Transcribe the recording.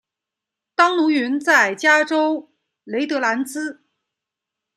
当奴云在加州雷德兰兹。